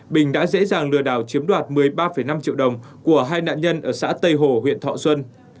bình đã dễ dàng lừa đảo chiếm đoạt một mươi ba năm triệu đồng của hai nạn nhân ở xã tây hồ huyện thọ xuân